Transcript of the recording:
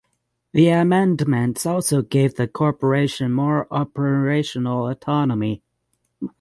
The amendments also gave the corporation more operational autonomy.